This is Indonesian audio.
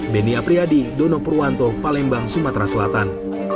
benny apriadi dono purwanto palembang sumatera selatan